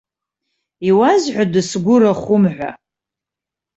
Иуазҳәада сгәы рахәым ҳәа?